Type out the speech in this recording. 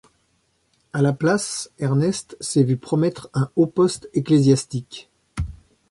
À la place, Ernest s'est vu promettre un haut poste ecclésiastique.